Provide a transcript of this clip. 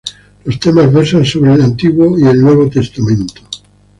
Los temas versan sobre el Antiguo y Nuevo Testamento.